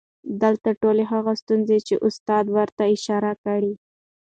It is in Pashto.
دلته ټولې هغه ستونزې چې استاد ورته اشاره کړى